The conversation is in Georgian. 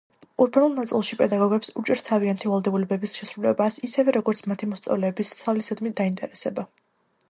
ურბანულ ნაწილში პედაგოგებს უჭირთ თავიანთი ვალდებულებების შესრულება, ისევე როგორც მათი მოსწავლეების სწავლისადმი დაინტერესება.